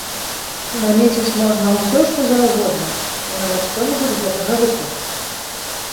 Намеціць можна ўсё, што заўгодна, і нават што-небудзь з гэтага выканаць.